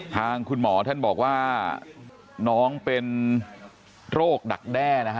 ทางคุณหมอท่านบอกว่าน้องเป็นโรคดักแด้นะฮะ